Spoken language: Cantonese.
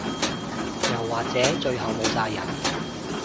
又或者最後冇晒人